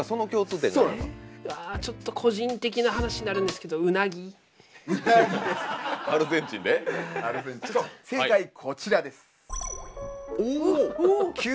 ちょっと個人的な話になるんですけど正解こちらです。